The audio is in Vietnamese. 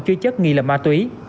chứa chất nghi là ma túy